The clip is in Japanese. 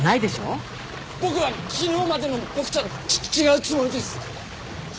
僕は昨日までの僕とはち違うつもりです